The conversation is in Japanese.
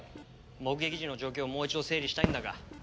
目撃時の状況をもう一度整理したいんだが。